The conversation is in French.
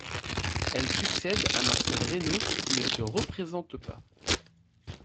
Elle succède à Marcel Rainaud qui ne se représente pas.